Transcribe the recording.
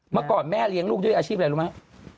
เมื่อก่อนแม่เลี้ยงลูกด้วยอาชีพอะไรรู้ไหม